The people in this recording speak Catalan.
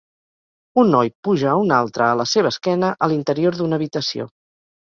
Un noi puja a un altre a la seva esquena, a l"interior d"una habitació.